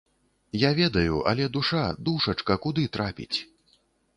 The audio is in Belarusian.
Я ведаю, але душа, душачка куды трапіць?